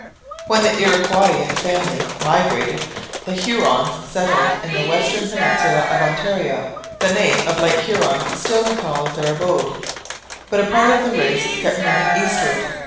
When the Iroquoian Family migrated, the Hurons settled in the western peninsula of Ontario. The name of Lake Huron still recalls their abode. But a part of the race kept moving eastward.